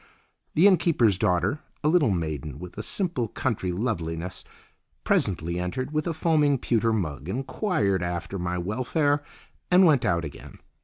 The inn keeper's daughter, a little maiden with a simple country loveliness, presently entered with a foaming pewter mug, enquired after my welfare, and went out again.